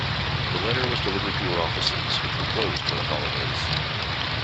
The letter was delivered to her offices, which were closed for the holidays.